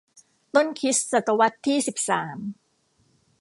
ต้นคริสต์ศตวรรษที่ สิบสาม